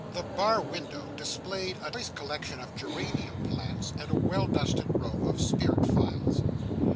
The bar window displayed a choice collection of geranium plants, and a well dusted row of spirit phials.